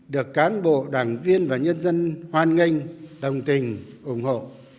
được cán bộ đảng viên và nhân dân hoan nghênh đồng tình ủng hộ